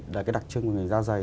là cái đặc trưng của ngành da dày